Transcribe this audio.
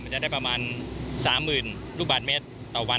จะได้ประมาณ๓๐๐๐ลูกบาทเมตรต่อวัน